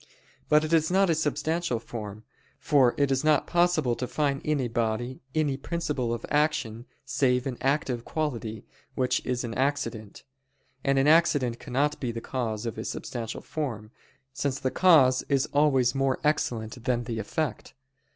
But it is not a substantial form; for it is not possible to find in a body any principle of action, save an active quality, which is an accident; and an accident cannot be the cause of a substantial form, since the cause is always more excellent than the effect.